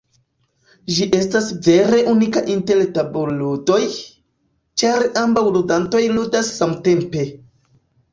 Ĝi estas vere unika inter tabulludoj, ĉar ambaŭ ludantoj ludas samtempe.